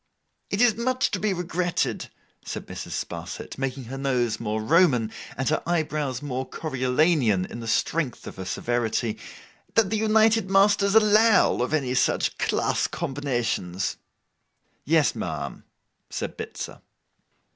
'It is much to be regretted,' said Mrs. Sparsit, making her nose more Roman and her eyebrows more Coriolanian in the strength of her severity, 'that the united masters allow of any such class combinations.' 'Yes, ma'am,' said Bitzer.